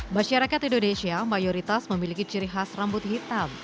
masyarakat indonesia mayoritas memiliki ciri khas rambut hitam